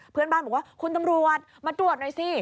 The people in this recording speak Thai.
เพื่อนบ้านบอกว่าคุณตำรวจมาตรวจหน่อยสิ